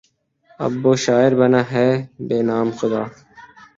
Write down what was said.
اب وہ شاعر بنا ہے بہ نام خدا